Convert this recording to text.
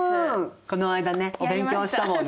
この間ねお勉強したもんね。